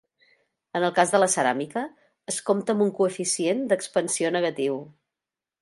En el cas de la ceràmica, es compta amb un coeficient d'expansió negatiu.